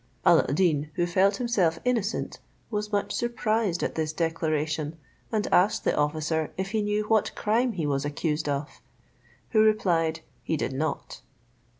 Alla ad Deen, who felt himself innocent, was much surprised at this declaration, and asked the officer if he knew what crime he was accused of; who replied, he did not.